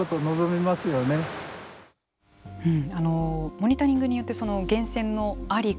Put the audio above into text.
モニタリングによって源泉の在りか